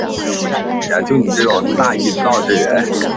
县名来自易洛魁联盟的成员之一奥农达加人。